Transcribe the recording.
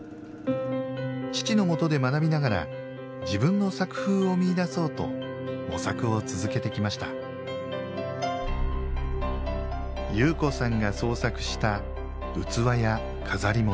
父のもとで学びながら自分の作風を見いだそうと模索を続けてきました侑子さんが創作した器や飾り物。